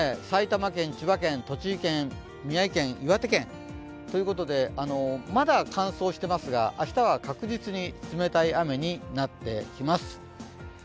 埼玉県、千葉県、栃木県、宮城県岩手県ということでまだ乾燥していますが明日は確実に冷たい雨になってきます。